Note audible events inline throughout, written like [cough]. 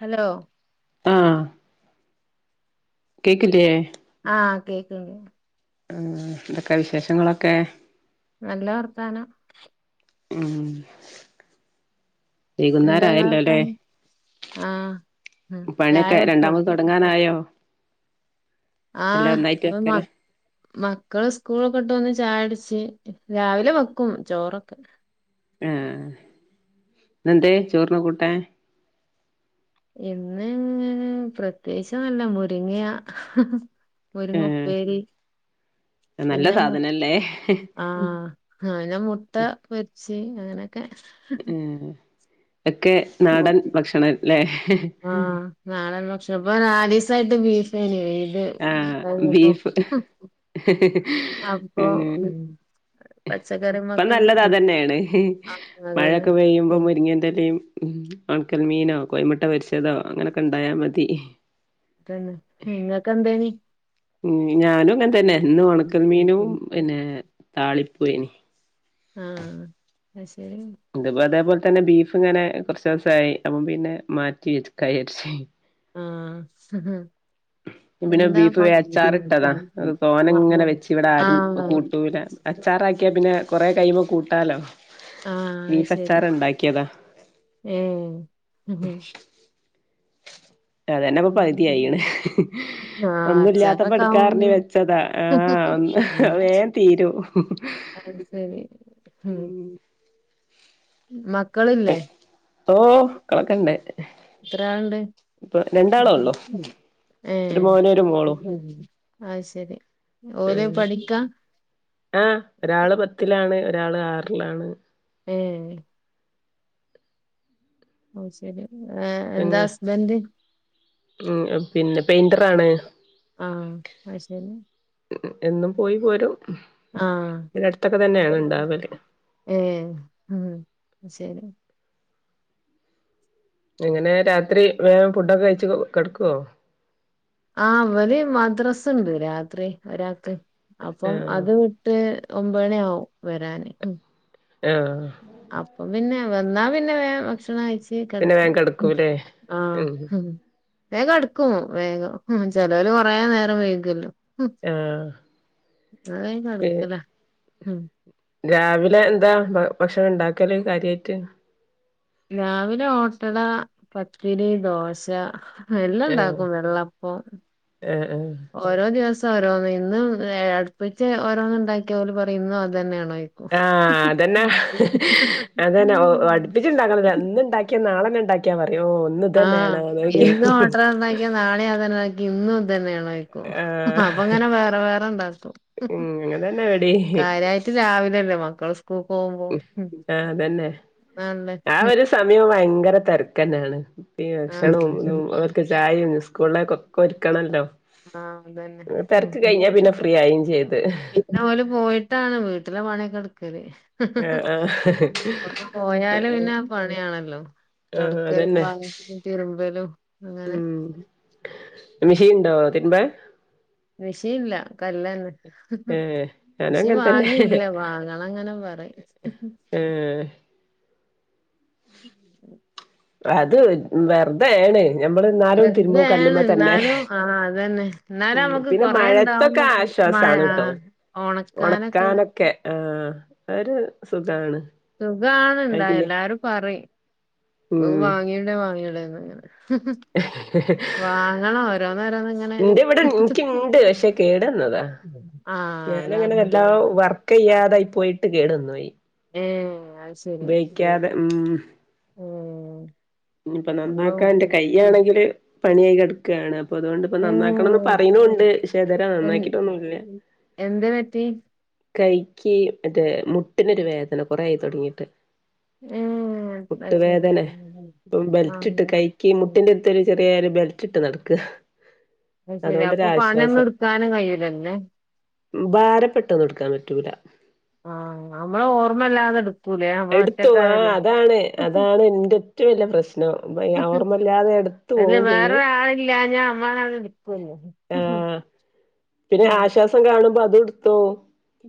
Hello ആ കേക്കില്ലേ ആഹ് കേക്ക്ന്ന് ആ എന്തൊക്കെ വിശേഷങ്ങളൊക്കെ നല്ല വർത്താനം ഉം എന്താ ഇങ്ങളെ വൈകുന്നേരായല്ലോല്ലേ വർത്താനം ആഹ് ആഹ് ചായ പണിയൊക്കെ രണ്ടാമത് തുടങ്ങാനായോ ആ പ്പ വെക്കല മക് മക്കള് സ്കൂളൊക്കെട്ട് വന്ന് ചായുടിച്ച് രാവിലെ വെക്കും ചോറൊക്കെ ആ ന്നെന്തേ ചോറിന് കൂട്ടാൻ ഇന്ന് പ്രത്യേകിച്ചൊന്നില്ല മുരിങ്ങ്യാ ഏഹ് മുരിങ്ങപ്പേരി നല്ല പിന്നെ സാധനല്ലേ ആ പിന്നെ മു ആ ആ മുട്ട [unintelligible] [unintelligible] ഏഹ് ഒക്കെ നാടൻ ഭക്ഷണല്ലേ ആഹ് നാടൻ ഭക്ഷണം ഇപ്പൊ നാലീസായിട്ട് ബീഫ് [unintelligible] ആഹ് ബീഫ് [unintelligible] അപ്പൊ ഉം ഇപ്പം പച്ചക്കറിമൊത്തോം നല്ലത് അതന്നേണ് അതന്നെ മഴൊക്കെ പെയ്യുമ്പോ മുരിങ്ങന്റെലയും ഉം ഒണക്കൽമീനോ കോയിമുട്ട പൊരിച്ചതോ അങ്ങനക്ക ഉണ്ടായാൽ മതി അതന്നെ നിങ്ങക്കെ എന്തേനി ഉം ഞാനും അങ്ങനതന്നെ എന്നും ഒണക്കൽ മീനും പിന്നെ താളി പോയിനി ആ [unintelligible] തന്നെ ബീഫ് ഇങ്ങനെ കുറച്ചേ സായി അപ്പ പിന്നെ മാറ്റി [unintelligible] ആ പിന്നെ ബീഫ് അച്ചാറിട്ടതാ തോന ഇങ്ങനെ വെച്ച് ഇവിടെ ആഹ് ആരും ആഹ് കൂട്ടൂല അച്ചാറാക്കിയാ പിന്നെ കൊറെ കഴിയുമ്പോ കു [unintelligible] ആ അതെശരി ഏ അതന്നെപ്പൊ പകുതിയായിണ് അച്ചാറൊക്കെ ആവും ഒന്നുല്ല്യാത്തപ്പോയെടുക്കാറിനി വെച്ചതാ ആഹ് ഒന്ന് വേൻ തീരും അത് ശരി ഉം [unintelligible] മക്കളില്ലേ ഓ മക്കളൊക്കെ ഇണ്ട് എത്ര ആളുണ്ട് ഇപ്പൊ രണ്ടാളെ ഒള്ളു ഏ ഒരു മോനും ഒരു മോളും അയ്യ് ശരി ഓല് ഉം പഠിക്കാ ഒരാൾ ആറിലാണ് ഏയ് ഓ ശരി ഏ എന്താ ഞങ്ങൾ ഹുസ്ബൻഡ് ഉം പിന്നെ പെയിന്ററാണ് ആ അയ്ശരി എന്നും പോയി പോരും ആ ഇവിടെ അടുത്തൊക്കെ തന്നെയാണ് ഉണ്ടാവല് ഏ ഉം ശരി എങ്ങനെ രാത്രി വേഗം ഫുഡൊക്കെ കഴിച്ചു കെടക്കുവോ ആ അവര് മദ്രാസുണ്ട് രാത്രി ഒരാൾക്ക് അപ്പം ആഹ് അത് വിട്ട് ഒമ്പൊണിയാവും വരാന് ആഹ് അപ്പൊ പിന്നെ വന്നാ പിന്നെ വേഗം ഭക്ഷണം കഴി [unintelligible] പിന്നെ കെടക്കും വേഗം കിടക്കൂല്ലേ ആ ഉം വേം കെട്ക്കും വേഗം ഹും ചെലോല് കൊറേ നേരം വൈകല്ലോ ഹും ആഹ് അത് വേം പി കടക്കലാ. ഉം രാവിലെ എന്താ ഭ ഭക്ഷണം ഇണ്ടാക്കല് കാര്യായിട്ട് രാവിലെ ഓട്ടട, പത്തിരി, ദോശ എല്ലാം ആഹ് ഇണ്ടാക്കും വെള്ളപ്പം ആഹ് ആഹ് ഓരോ ദിവസ് സോരോന്ന് ഇന്നും വേ അട്പ്പിച്ച് ഓരോന്ന് ഇണ്ടാക്കിയ ഓല് പറിം ഇന്നും അതന്നേണോ ആഹ് അതന്നെ അതന്നെ ഒ അട്പ്പിച്ച് ഇണ്ടാക്കാ [unintelligible] ഇന്ന് ഇണ്ടാക്കിയാ നാളെന്നെ ണ്ടാക്ക്യാ മ അയോ ന്ന് ആഹ് ഇതന്നെണോ നോക്യാ ഇന്ന് ഓട്ടട ഉണ്ടാക്കിയ നാളെ അതന്നെ ഉണ്ടാക്കി ഇന്നും ഇത് തന്നെയാണോ? കയിക്കു അപ്പൊ അങ്ങനെ വേറെ വേറെ ണ്ടാക്കും ഉം അങ്ങൻതന്നെ ഇവടിം കാര്യായിട്ട് രാവിലല്ലേ മക് കൾസ് പോ പോവുമ്പോ മ് മ് ആഹ് അതന്നെ ആണല്ലേ ആ മ് ഒരു സമയം ഭയങ്കര തെരക്കന്നാണ്. ഈ ആഹ് ഭക്ഷണും ന്നും ഓൽക്ക് ചായും സ്കൂളിലേക്കൊ കൊടുക്കണല്ലോ. ആഹ് അതന്നെ മ് മ്. പിന്നെ ഫ്രീ ആയിം ചെയ്ത് പിന്നെ ഓല് പോയിട്ടാണ് വീട്ടിലെ പണി ക്കട്കൽ. ആഹ് ആഹ് ഓല് പോയാല് പിന്നെ പണിയാണല്ലോ ആഹ് തൊടക്കലും അതന്നെ വാങ്ങിച്ചും തിരുമ്പലും അങ്ങനെ. മിഷീൻ ണ്ടോ തിരുമ്പാൻ മിഷീല്ല കല്ലാണ്. ഏഹ് ഞാനും മിഷൻ അങ്ങൻതന്നെ വാങ്ങിയില്ല, വാങ്ങണം ഇങ്ങനെ പറയും. ഏഹ് അത് വെത് വെറ് തേണ്. വെറ്തേണ് ഇന്നാലും ആ അതന്നെ ന്നാലും ഉം നമ്മക്ക് പിന്നെ കൊറേ മഴത്തൊക്കെ ഉണ്ടാവുമ്പൊക്കെ മഴ ആശ്വാസാണ് ട്ടോ ആഹ് ഉണക്കാനൊക്കത്. ഒണക്കാനൊക്കെ ആഹ് ഒരു സുഖാണ്. സുഖാണ് ഇണ്ടായാ അയില്ലേ എല്ലാരും പറിം. [unintelligible] ഉം വാങ്ങ്യൂടെ വാങ്ങ്യൂടെ ന്ന് അങ്ങനെ ഓരോന്നോരോന്ന് ഇങ്ങനെ ഇന്റെ ഇവിടെ ഇൻ ഇൻക്ക്യിണ്ട് ക്ഷെ കേടന്നതാ. ആഹ് ഞാനങ്ങനെ അതാണ് വല്ലാം വർക്കയ്യാതായി പോയി ട്ട് കേടന്നോയി. ഏഹ് അത് ശരി ഉപയോഗിക്കാതെ ഉം ഏഹ് ഇനിപ്പോ അള്ളോ. നന്നാക്കാൻ എന്റെ കയ്യാണെങ്കില് പണിയായി കിടക്കാണ് അപ്പൊ അതുകൊണ്ട് ഇപ്പ ഏ നന്നാക്കണോന്ന് പറയുണുണ്ട് പക്ഷേധര എ നന്നാക്കിട്ടൊന്നുമില്ല എന്ത് പറ്റി കൈക്ക് മറ്റേ മുട്ടിനൊരു വേദന കൊറേയായി തുടങ്ങിട്ട് ഉം [unintelligible] ബെൽറ്റിട്ട് കൈയ്ക്ക് മുട്ടിന്റെ [unintelligible] ചെറിയ ഒരു ബെൽറ്റ് വച്ചിട്ട് നടക്ക് അത് ശരി അതുകൊണ്ട് അപ്പൊ പണിയൊന്നും ഒരാശ്വാസം എടുക്കാനും കഴിയൂലല്ലേ ഭാര പെട്ടെതൊന്നുമെടുക്കാൻ പറ്റൂല ആ നമ്മള് ഓർമ്മയില്ലാതെ എടുക്കും എടുത്തു ആ അതാണ് അതാണ് എന്റെ ഏറ്റവും വലിയ പ്രശ്നം ഓർമ്മല്ലാതെ എടുത്തു അതില് പോവേ ചെയ്യും വേറൊരാളില്ലാഞ്ഞാ നമ്മളാണ്ട് എടുക്കുവല്ലോ ആ പിന്നെ ആശ്വാസം [unintelligible] കാണുമ്പോ അതുയെടുത്തോ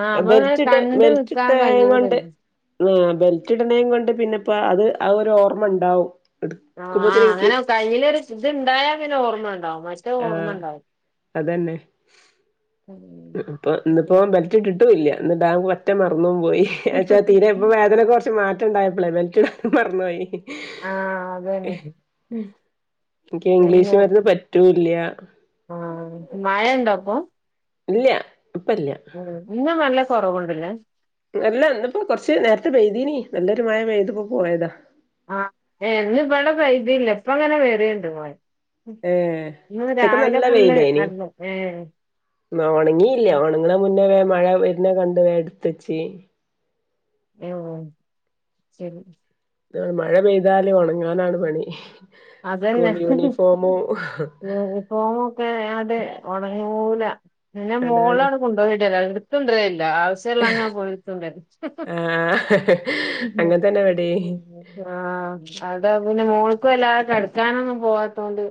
ആഹ് നമ്മളിങ്ങനെ ബെൽറ്റിട് കണ്ട് നിക്കാൻ ബെൽറ്റിട്ട് കൈകൊണ്ട് കഴിയൂലല്ലോ ഉം ബെൽറ്റിടണേയും കൊണ്ട് പിന്നെപ്പോ അത് ആ ഒരു ഓർമ്മ ഉണ്ടാവും ആ എടുക്കുമ്പോത്തിന് എനിക്ക് അങ്ങനെ കൈയ്യില് ഒരു ഇത് ഇണ്ടായ പിന്നെ ഓർമ്മ ഉണ്ടാവും മറ്റേ ആ ഓർമ്മ ഉണ്ടാവും അതന്നെ ഇപ്പൊ ഇന്നിപ്പോ ബെൽറ്റ് ഇട്ടിട്ടും ഇല്ല ഇന്നിടാൻ വറ്റും മറന്നും പോ പോയിച്ചാ തീരെ ഉം. ഇപ്പ വേദന കുറച്ച് മാറ്റ [unintelligible] ഇണ്ടായപ്പോളെ ബെൽറ്റിടാൻ മറന്നോയി ആഹ് അതന്നെ ഉം എനിക്ക് ഇംഗ്ലീഷ് മരുന്നേ പറ്റൂ ഇല്ല്യാ ആ മഴയിണ്ടാപ്പോ ഇല്ല ഇപ്പല്ല ഉം ഇന്ന് നല്ല കൊറവുണ്ടല്ലേ നല്ല ഇന്നിപ്പോ കൊറച്ച് നേരത്തെ പെയ്തീനി നല്ലൊരു മഴ പെയ്തിപ്പോ പോയതാ ആഹ് ഇവിടെ വൈദ്യംല്ല ഇപ്പ അങ്ങനെ വെറുണ്ട് പോയ ഏ ഉച്ചക്ക് നല്ല ഫുള്ള് വെയിലേനി നല്ല ഏഹ് ഒണങ്ങിയില്ല ഒണങ്ങണേന് മുന്നേ മഴ വരുന്ന കണ്ട് എടുത്ത് വെച്ചിനി ഓ ശരി മഴ പെയ്താല് ഉണങ്ങാനാണ് പണി അതന്നെ സ്കൂൾ [unintelligible] യൂണിഫോമും അതെ [unintelligible] നൂലാ ഇന്ന് അതാണ് മോളാണ് കൊണ്ടാക്കിതര എടുത്തോണ്ടരലില്ല ആവശ്യല്ലാ ഞാൻ പോയ് എടുത്തോണ്ടരലില്ല ആഹ് ഹി അങ്ങൻ തന്നെ ഇവടിം ഹി ആ അവിടെ പിന്നെ മോ കൊല കെട്ക്കാനൊന്നും പോവാത്തോണ്ട്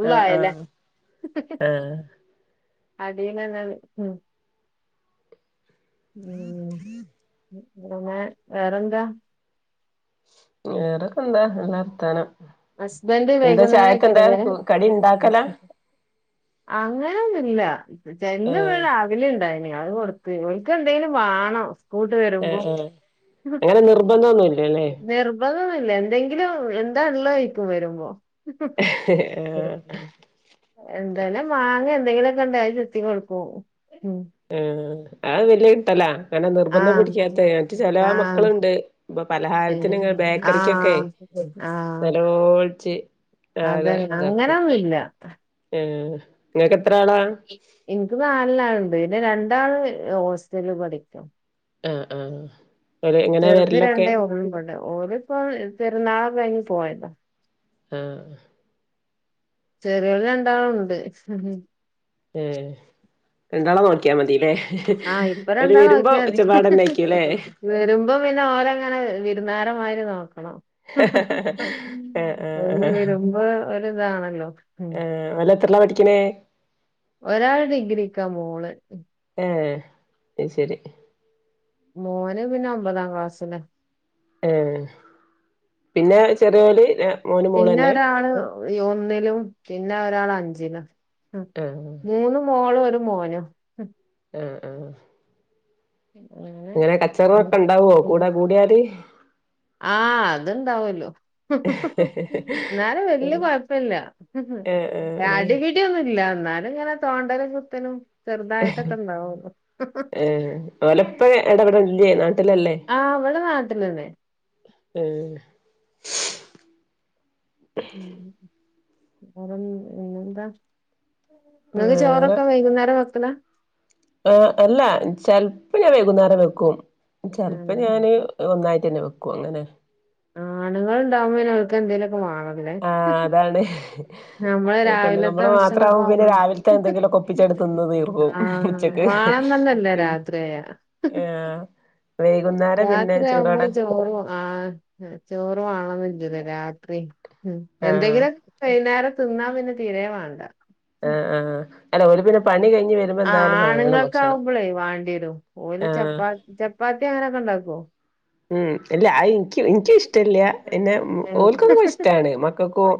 ഉള്ളായല്ലേ ആഹ് അതെന്നന്നത് ഉം ഉം ഉം ത് പിന്നെ വേറെന്താ വേറെ ഹസ്ബൻഡ് എന്താ വൈകുന്നേരം ആയിട്ടുണ്ടേ ചായക്കെന്താ വരാൻ കടി ഇണ്ടാക്കലാ അങ്ങനെയൊന്നില്ല ചെട്ടനിവിടെ ആഹ് രാവിലെ ഉണ്ടായ് അത് കൊടുത്ത് ഓന്ക്ക് എന്താണ് നാണം ഏ ആ അങ്ങനെ നിർബന്തോന്നി നിർബ ല്ല എന്തെങ്കിലും എന്താ ഉള്ളേ ചോയിക്കും വരുമ്പോ ആഹ് പിന്നെ മാങ്ങ എന്തെങ്കിലുമൊക്കെ ഉണ്ടേ അത് ചെത്തി കൊടുക്കൂം. ആ ആ വലിയ കിട്ടലാ അങ്ങനെ നിർബന്ധം ആഹ് പിടിക്കാത്ത മറ്റ ചില ആഹ് മക്കളുണ്ട് ഇപ്പൊ പലഹാരത്തിന് ഏഹ് ബേക്കറിക്കൊക്കെ ആഹ് നല്ലപോ ച്ച് അതെ അങ്ങനൊന്നില്ല. നിങ്ങക്ക് എത്ര ആളാ? എനിക്ക് നാലിലാളുണ്ട് പിന്നെ രണ്ടാള് ഹോസ്റ്റലിൽ പഠിക്കാ. ആ ആ ചെറുത് രണ്ടേ ഒള്ളിവിടെ ഓലിപ്പം പെരുന്നാള് കഴി പോയതാ ആ ചെറിയോള് രണ്ടാളുണ്ട് ഏഹ് രണ്ടാളെ നോക്കിയാ മതില്ലേ? ആ ഇപ്പ ഓര് രണ്ടാളെ വരുമ്പോ നോക്കിയാ ഒച്ചപ്പാടന്നേക്കൂല്ലേ മതി വരുമ്പോം പിന്നെ ഓരങ്ങനെ വിരുന്നാരമായി ആഹ് [unintelligible] ഓര് വരുമ്പോ ഒരിതാണ്. ഹലോ ആ ഓല് എത്രേലാ പ ക്കണെ? ഒരാള് ഡിഗ്രിക്കാ മോള് ഏഹ് അയ്ശെരി. മോന് പിന്നെ ഒമ്പതാം ക്ലാസ്സില് ഏ പിന്നെ ചെറിയോര് പിന്നെ ഒരാള് ഒന്നിലും പി പിന്നെ ഒരാൾ അഞ്ചിലും അ ആഹ് മൂന്നു മോളും ഒ രു മോനും. ആഹ് ആഹ് ഇങ്ങനെ കച്ചറൊക്കെ ഉണ്ടാവോ കൂടെ കൂടിയാല് ആഹ് അത്ണ്ടാവല്ലോ ഏഹ് എന്നാലും വല്യ കൊഴപ്പില്ല ഏഹ് ഏഹ് രാടി പിടിയൊന്നുല്ല എന്നാലും ഇങ്ങനെ തോണ്ടലും കുത്തലും. ചെറുതായിട്ടൊക്കണ്ടാവും. ഓലപ്പ് ഇടപെടല്ലേ നാട്ടിലല്ലേ ആഹ് ഇവിടെ നാട്ടിലന്നെ ഏഹ് ഉം ഉം അറം എന്താ നിങ്ങക്ക് ചോറൊക്കെ വൈകുന്നേരം വെ അളാ ആ അല്ല ചെലപ്പ ഞാൻ വൈകുന്നേരം വെക്കും. ചെലപ്പോ ഞാന് ഒന്നായിട്ട് തന്നെ വെക്കും ക്കൊങ്ങനെ ആണുങ്ങൾണ്ടാവ്മ്പോ അവർക്ക് എന്തേലു ആഹ് അതാണ് നമ്മള് രാവിലത്തെ പെണ്ണുങ്ങള് ഭക്ഷണൊക്കെ ആ മാത്രാവുമ്പോ പിന്നെ രാവിലത്തെ എന്തെങ്കിലുമൊക്കെ ഒപ്പിച്ചങ്ങട് തിന്ന് തീർക്കും ആ ഉച്ചക്ക് വാള പിൻ തന്നല്ലേരാത്രിയായ ആഹ് വൈകുന്നേരം പിന്നെ രാത്രി ആവുമ്പോ ചൂടോടെ ചോറും ആ ചോറു അ കാണന്നില്ലല്ലൊ രാത്രി ഉം ആഹ് എന്തെങ്കിലും നേരെ തിന്നാൻ പിന്നെ തീരേ വേണ്ട ആഹ് ആഹ് അല്ല ഒരു പിന്നെ പണി കഴിഞ് ആ ആണുങ്ങൾക്കാവുമ്പളെ വേണ്ടിരും ഓല് ആഹ് ചർപ്പാത്തി ചർപ്പാത്തി അങ്ങനെൊക്കെ ഉണ്ടാക്കുവോ. ഉം ഇല്ല ആയിനിക്ക് എനിക്കും ഇഷ്ടല്ല പിന്നെ ഓൽക്കും ഇഷ്ടാണ് മക്കൾക്കും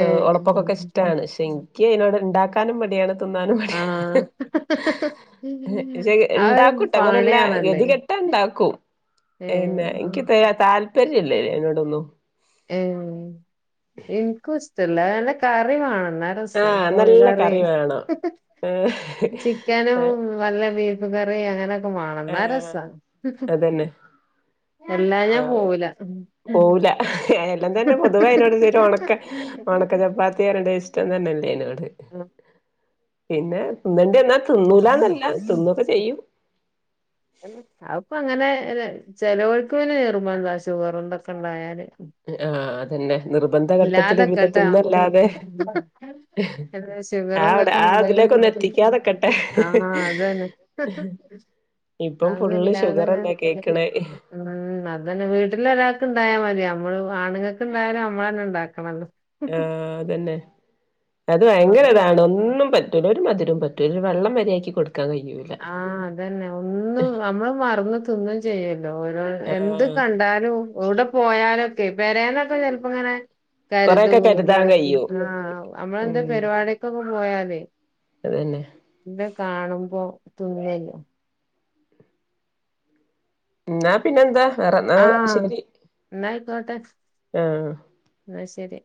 ഏഹ് ഒണപ്പോക്കൊക്കെ ഇഷ്ടാണ് പക്ഷെ എനിക്ക് നോട് ഉണ്ടാക്കാനും മടിയാണ്. തിന്നാനും മടി ആഹ് ആ ശേ ആ ഒരു ഇണ്ടാക്കൂട്ട അങ്ങനെയല്ല പണിയാണല്ലേ ഗതി കെട്ടാ ഉണ്ടാക്കൂം ഏഹ് ഏന്നെ എനിക്ക് ത താല്പര്യ ല്ലല്ലേ എന്നോടൊന്നു ഉ എനിക്കും ഇഷ്ടല്ല അന്റെ കറി വേണ രസ ആഹ് നല്ല കോഴക്കറി കറി വേണം ഏഹ് ചിക്കനല്ല [unintelligible] ക്കൻ കറി അങ്ങനെയൊക്കെ വണെന്നാ രസ ആഹ് അതന്നെ എല്ലാം ഞാൻ ഏഹ്, പോവല പോവൂല എല്ലാം തന്നെ പൊതുവേ അതിനോട് ഉണക്ക ഉണക്ക ചപ്പാത്തി ഇഷ്ടം തന്നെല്ലേ ആയിനോട് അ പിന്നെ തിുന്നണ്ടി എന്നാ തിുന്നൂലന്നല്ല ല്ലൊ തിന്നൊക്കെ ചെയ്യും അത്പ്പം അങ്ങനെ അങ്ങനെ ചെലോൽക്ക പിന്നേ നിർബന്ധ ഷുഗർ ഇതൊക്കെ ഉണ്ടായാല് ആഅതന്നെ ഇല്ലാതെ കേ കേട്ടാ ആ അവിടെ ഷുഗർന്തൊക്കെ ആ ഇതിലേക്കൊന്ന് എത്തിക്കാതെക്കട്ടെ ആഹ അത് തന്നെ ഇപ്പം ഫുള്ള് അന്നല്ലാത ഷുഗറല്ലേ കേക്ക്ണേ ഉ അത് തന്നെ വീട്ടില ഒരാൾക്ക് ഇണ്ടായാ മതി നമ്മ ആണുങ്ങൾക്കൊയാലും നമ്മൾ തന്നെ ഉണ്ടാക്കണംല്ല ആഅതന്നെ അത് ഭയങ്കര ഇതാണ് ഒന്നും പറ്റൂല ഒരു മധുരവും പറ്റൂല വെള്ളം വരിയാക്കി കൊടുക്കു ആ അതന്നെ ഒന്നും നമ്മള് മറന്ന് തിന്നും ചെയ്യല്ലോ ഓരോ എന്ത് ആഹ് കണ്ടാലും എവിടെ പോയാലും പേരെന്ന് എന്നൊ ക്കെ ചിലപ്പോ അങ്ങനെ കരുത കൊറെയൊക്കെ കരുതാൻ കഴിയും ആ നമ്മള എന്താ ഉം പരിപാടക്കൊക്കെ പോയാലേ അതന്നെ എന്ത കാണുമ്പോ തുന്നല്ല എന്നാ പിന്നെ എന്താ ആഹ എന്നായിക്കോട്ടെ ആഹ് ആ ശരി